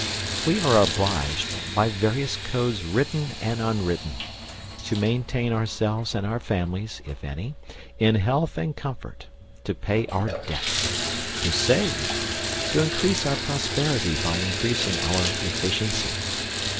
We are obliged, by various codes written and unwritten, to maintain ourselves and our families (if any) in health and comfort, to pay our debts, to save, to increase our prosperity by increasing our efficiency.